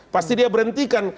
pasti dia berhentikan